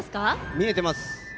見えてます。